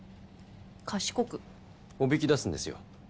賢く？おびき出すんですよ。